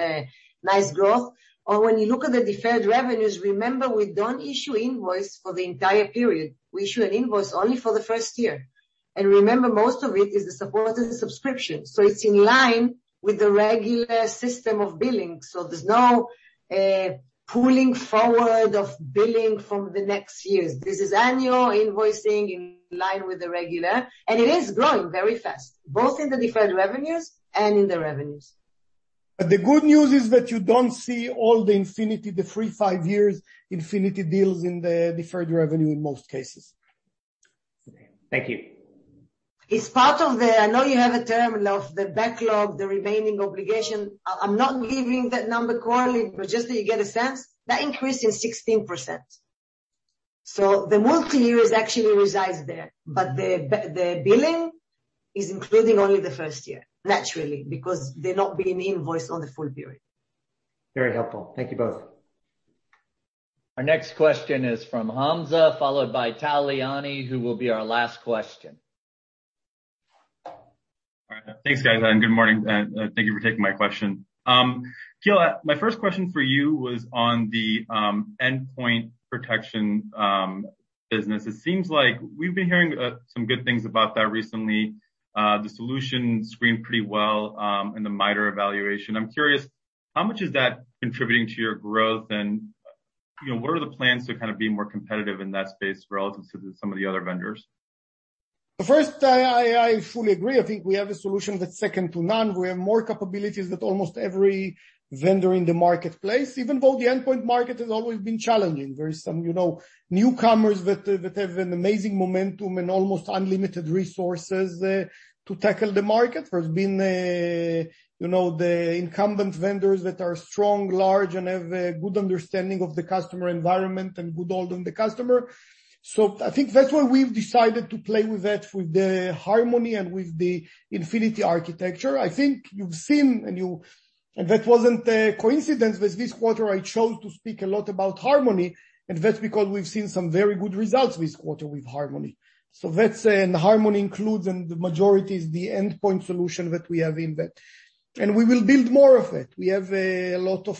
nice growth. When you look at the deferred revenues, remember, we don't issue invoice for the entire period. We issue an invoice only for the first year. Remember, most of it is the support and subscription. It's in line with the regular system of billing. There's no pulling forward of billing from the next years. This is annual invoicing in line with the regular, and it is growing very fast, both in the deferred revenues and in the revenues. The good news is that you don't see all the Infinity, the free five years Infinity deals in the deferred revenue in most cases. Thank you. It's part of the I know you have a term of the backlog, the remaining obligation. I'm not giving that number quarterly, but just so you get a sense, that increase is 16%. The multi-year actually resides there, but the billing is including only the first year, naturally, because they're not being invoiced on the full period. Very helpful. Thank you both. Our next question is from Hamza, followed by Tal Liani, who will be our last question. All right. Thanks, guys, and good morning, and thank you for taking my question. Gil, my first question for you was on the endpoint protection business. It seems like we've been hearing some good things about that recently. The solution screened pretty well in the MITRE evaluation. I'm curious, how much is that contributing to your growth? You know, what are the plans to kind of be more competitive in that space relative to some of the other vendors? First, I fully agree. I think we have a solution that's second to none. We have more capabilities than almost every vendor in the marketplace, even though the endpoint market has always been challenging. There are some newcomers that have an amazing momentum and almost unlimited resources to tackle the market. There have been the incumbent vendors that are strong, large, and have a good understanding of the customer environment and good hold on the customer. I think that's why we've decided to play with that with the Harmony and with the Infinity architecture. I think you've seen, and that wasn't a coincidence in this quarter I chose to speak a lot about Harmony, and that's because we've seen some very good results this quarter with Harmony. That's Harmony includes, and the majority is the endpoint solution that we have in that. We will build more of it. We have a lot of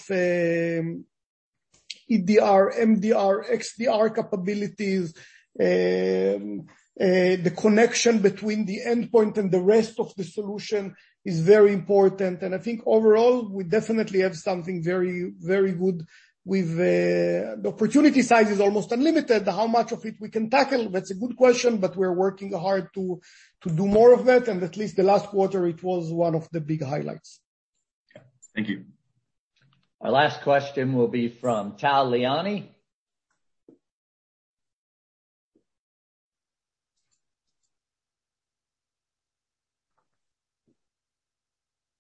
EDR, MDR, XDR capabilities. The connection between the endpoint and the rest of the solution is very important. I think overall we definitely have something very, very good with. The opportunity size is almost unlimited. How much of it we can tackle, that's a good question, but we're working hard to do more of that. At least the last quarter it was one of the big highlights. Yeah. Thank you. Our last question will be from Tal Liani.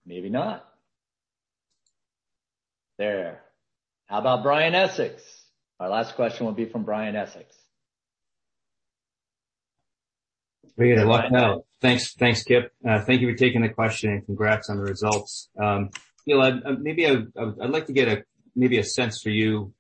Maybe not. There. How about Brian Essex? Our last question will be from Brian Essex. Great. No. Thanks, Kip. Thank you for taking the question, and congrats on the results. Gil, maybe I'd like to get a sense for you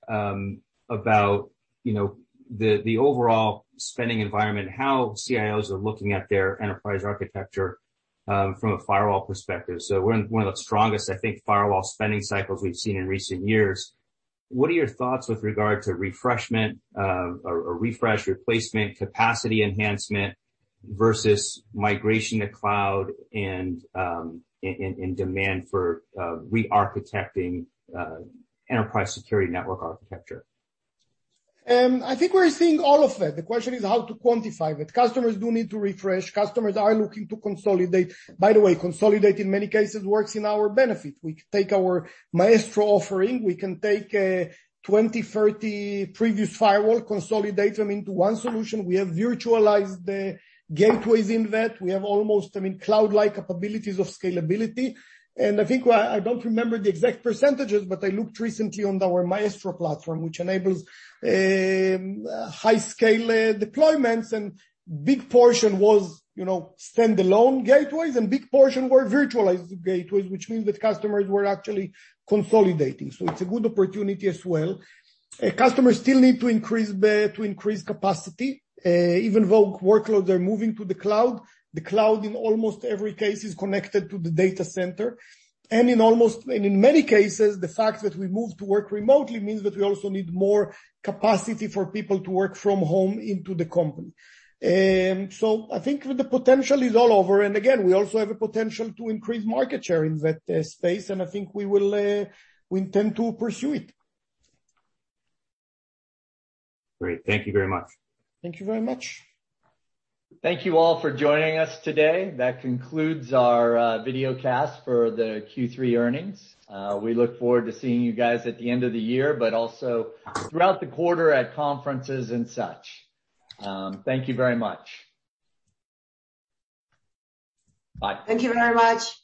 about you know the overall spending environment, how CIOs are looking at their enterprise architecture from a firewall perspective. We're in one of the strongest, I think, firewall spending cycles we've seen in recent years. What are your thoughts with regard to refresh or refresh, replacement, capacity enhancement versus migration to cloud and demand for re-architecting enterprise security network architecture? I think we're seeing all of that. The question is how to quantify that. Customers do need to refresh. Customers are looking to consolidate. By the way, consolidate in many cases works in our benefit. We take our Maestro offering. We can take 20, 30 previous firewall, consolidate them into one solution. We have virtualized the gateways in that. We have almost, I mean, cloud-like capabilities of scalability. I think, I don't remember the exact percentages, but I looked recently on our Maestro platform, which enables high scale deployments, and big portion was, you know, stand-alone gateways and big portion were virtualized gateways, which means that customers were actually consolidating. It's a good opportunity as well. Customers still need to increase their capacity. Even though workloads are moving to the cloud, the cloud in almost every case is connected to the data center. In many cases, the fact that we move to work remotely means that we also need more capacity for people to work from home into the company. I think the potential is all over. Again, we also have a potential to increase market share in that space, and I think we will. We intend to pursue it. Great. Thank you very much. Thank you very much. Thank you all for joining us today. That concludes our videocast for the Q3 earnings. We look forward to seeing you guys at the end of the year, but also throughout the quarter at conferences and such. Thank you very much. Bye. Thank you very much.